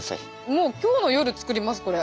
もう今日の夜作りますこれ。